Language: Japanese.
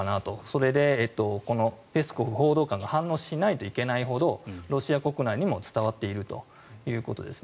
それでペスコフ報道官が反応しないといけないほどロシア国内にも広がっているということです。